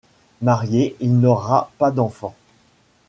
Marié, il n'aura pas d'enfant.